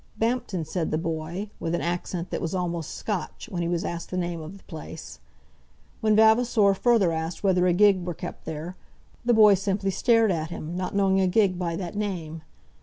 "Baampton," said the boy, with an accent that was almost Scotch, when he was asked the name of the place. When Vavasor further asked whether a gig were kept there, the boy simply stared at him, not knowing a gig by that name.